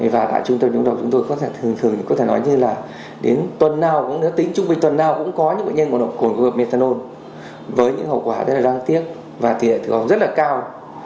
và tại trung tâm chống độc chúng tôi có thể nói như là đến tuần nào cũng có những nguyên nhân ngộ độc cồn công nghiệp methanol với những hậu quả rất là đáng tiếc và thiệt hợp rất là cao ba mươi năm mươi